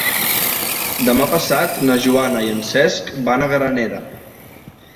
Demà passat na Joana i en Cesc van a Granera.